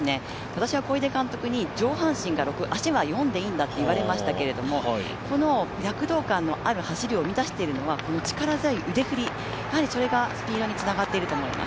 私は小出監督に上半身が６、下半身は４でいいんだと言われていましたが躍動感のある走りを生み出しているのは力強い腕振り、それがスピードにつながっていると思います。